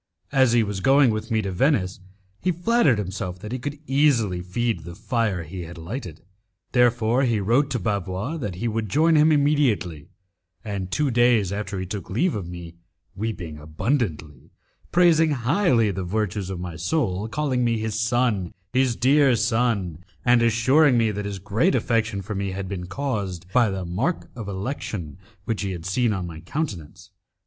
As he was going with me to Venice, he flattered himself that he could easily feed the fire he had lighted. Therefore he wrote to Bavois that he would join him immediately, and two days after he took leave of me, weeping abundantly, praising highly the virtues of my soul, calling me his son, his dear son, and assuring me that his great affection for me had been caused by the mark of election which he had seen on my countenance.